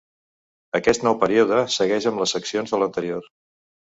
Aquest nou període segueix amb les seccions de l'anterior.